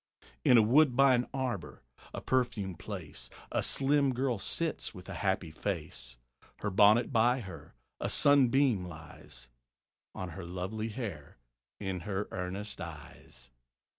In a woodbine arbor, a perfumed place, A slim girl sits with a happy face; Her bonnet by her, a sunbeam lies On her lovely hair, in her earnest eyes.